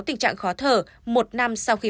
tình trạng khó thở một năm sau khi